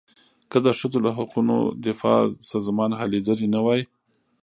که د ښځو له حقونو دفاع سازمان هلې ځلې نه وای.